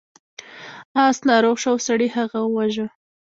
اس ناروغ شو او سړي هغه وواژه.